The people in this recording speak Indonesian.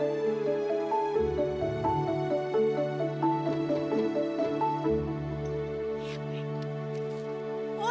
aku tanpa selu